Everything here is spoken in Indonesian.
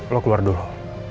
lo keluar dulu